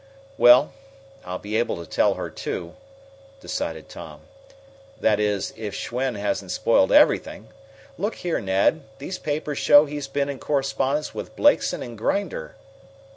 "Well, I'll be able to tell her, too," decided Tom. "That is, if Schwen hasn't spoiled everything. Look here, Ned, these papers show he's been in correspondence with Blakeson and Grinder."